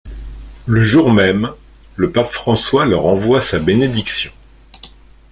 Le jour-même, le pape François leur envoie sa bénédiction.